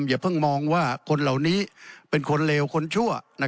อย่าเพิ่งมองว่าคนเหล่านี้เป็นคนเลวคนชั่ว